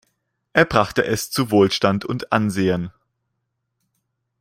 Er brachte es zu Wohlstand und Ansehen.